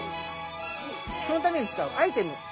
そのために使うアイテム。